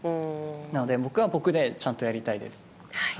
なので、僕は僕でちゃんとやりたいです。